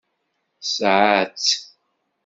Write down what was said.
Tesɛa-tt.